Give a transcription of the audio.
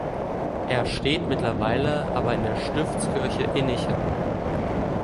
Er steht mittlerweile aber in der Stiftskirche Innichen.